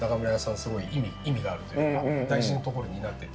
すごい意味があるというか大事なところになっていて。